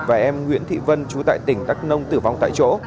và em nguyễn thị vân chú tại tỉnh đắk nông tử vong tại chỗ